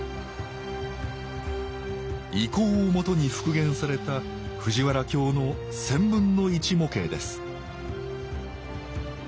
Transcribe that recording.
遺構を基に復元された藤原京の１０００分の１模型です